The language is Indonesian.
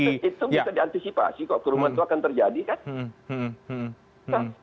itu bisa diantisipasi kok kerumunan itu akan terjadi kan